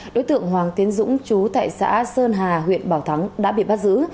đối tượng hoàng tiến dũng chú tại xã sơn hà huyện bảo thắng đã bị bắt giữ